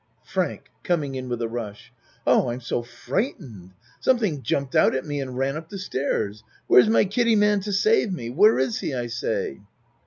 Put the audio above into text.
FRANK (Coming in with a rush.) Oh, I'm so frightened! Something jumped out at me and ran up the stairs. Where's my Kiddie man to save me? Where is he I say.